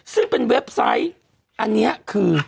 ซึ่งเป็นเว็บไซต์อันนี้คือ